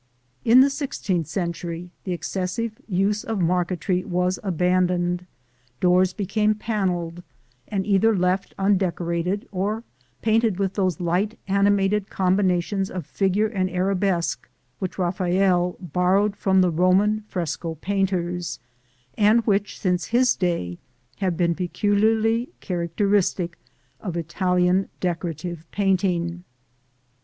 In the sixteenth century the excessive use of marquetry was abandoned, doors being panelled, and either left undecorated or painted with those light animated combinations of figure and arabesque which Raphael borrowed from the Roman fresco painters, and which since his day have been peculiarly characteristic of Italian decorative painting.